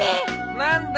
何だ？